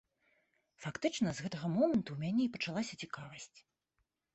Фактычна з гэтага моманту ў мяне і пачалася цікавасць.